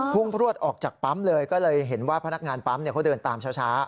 พลวดออกจากปั๊มเลยก็เลยเห็นว่าพนักงานปั๊มเขาเดินตามช้า